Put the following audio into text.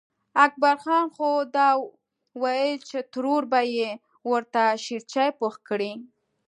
اکبر جان خو دا وېل چې ترور به یې ورته شېرچای پوخ کړي.